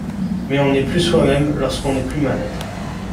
Mais on n'est plus soi-même lorsqu'on n'est plus malade.